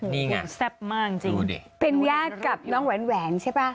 นี่ไงแซ่บมากจริงเป็นญาติกับน้องแหวนแหวนใช่ป่ะ